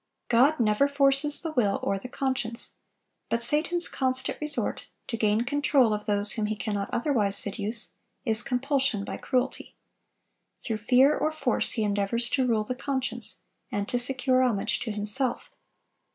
God never forces the will or the conscience; but Satan's constant resort—to gain control of those whom he cannot otherwise seduce—is compulsion by cruelty. Through fear or force he endeavors to rule the conscience, and to secure homage to himself.